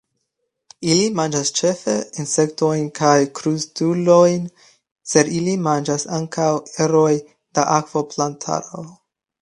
Ili manĝas ĉefe insektojn kaj krustulojn, sed ili manĝas ankaŭ erojn da akva plantaro.